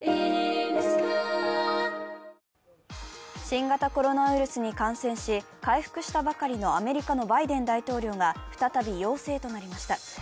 新型コロナウイルスに感染し、回復したばかりのアメリカのバイデン大統領が再び陽性となりました。